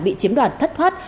bị chiếm đoạt thất thoát